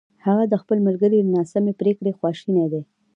هغه د خپل ملګري له ناسمې پرېکړې خواشینی دی!